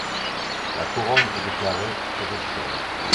La couronne est déclarée héréditaire.